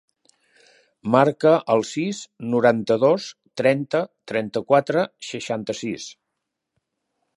Marca el sis, noranta-dos, trenta, trenta-quatre, seixanta-sis.